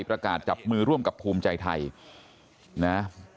จับมือร่วมกับภูมิใจไทยนะ